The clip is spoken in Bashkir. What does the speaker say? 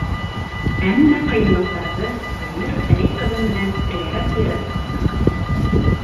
Әммә ҡыйынлыҡтарҙы Венера Фәрит ҡыҙы менән бергәләп йырып сыҡтыҡ.